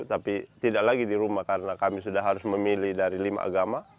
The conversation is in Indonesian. tapi tidak lagi di rumah karena kami sudah harus memilih dari lima agama